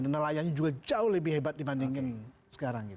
dan nelayannya juga jauh lebih hebat dibandingkan sekarang